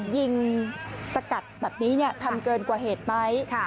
ยิงสกัดแบบนี้เนี่ยทำเกินกว่าเหตุมั้ย